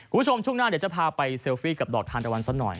คุณผู้ชมช่วงหน้าเดี๋ยวจะพาไปเซลฟี่กับดอกทานตะวันสักหน่อย